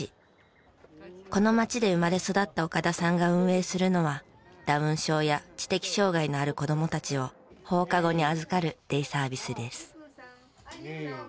この街で生まれ育った岡田さんが運営するのはダウン症や知的障害のある子どもたちを放課後に預かるデイサービスです。